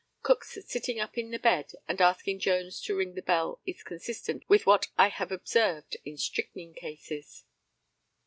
Cook's sitting up in the bed and asking Jones to ring the bell is inconsistent with what I have observed in strychnine cases.